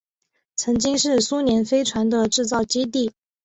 曾经是苏联飞船的制造基地。